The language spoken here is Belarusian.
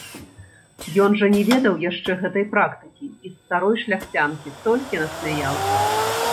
Ён жа не ведаў яшчэ гэтай практыкі і з старой шляхцянкі толькі насмяяўся.